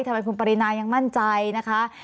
ทำไมคุณปรินายังมั่นใจนะคะ